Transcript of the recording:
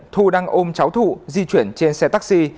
thu đang ôm cháu thụ di chuyển trên xe taxi